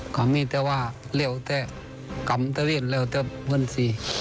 ก็มีแต่ว่าเรียกว่าแต่กรรมเรียกว่าแต่เพื่อนสิ